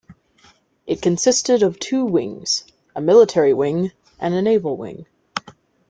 It consisted of two wings: a Military Wing and a Naval Wing.